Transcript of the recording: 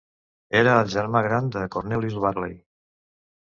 Era el germà gran de Cornelius Varley.